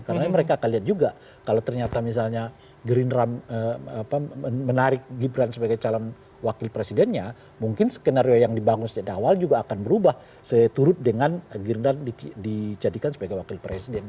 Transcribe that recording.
karena mereka akan lihat juga kalau ternyata misalnya gerindra menarik gibran sebagai calon wakil presidennya mungkin skenario yang dibangun dari awal juga akan berubah seturut dengan gerindra dijadikan sebagai wakil presiden